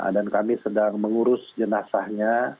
dan kami sedang mengurus jenazahnya